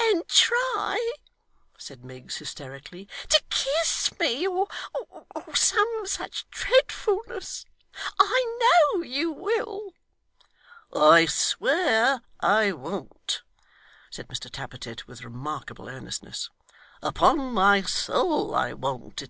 'And try,' said Miggs, hysterically, 'to kiss me, or some such dreadfulness; I know you will!' 'I swear I won't,' said Mr Tappertit, with remarkable earnestness. 'Upon my soul I won't.